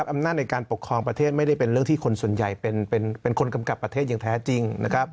อำนาจในการปกครองประเทศไม่ได้เป็นเรื่องที่คนส่วนใหญ่เป็นคนกำกับประเทศอย่างแท้จริง